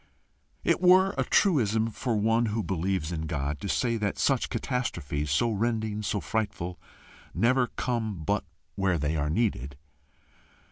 It were a truism for one who believes in God to say that such catastrophes, so rending, so frightful, never come but where they are needed.